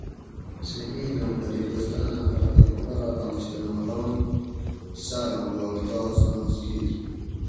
سہ اِیں نوں پھری کوستاۤنہ خلقہ کُمراٹاں چھلاں ران ساۤلاں بھاگ تاس ناس کِیر